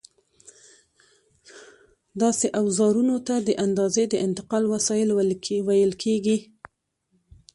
داسې اوزارونو ته د اندازې د انتقال وسایل ویل کېږي.